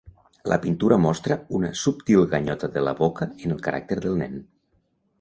La pintura mostra una subtil ganyota de la boca en el caràcter del nen.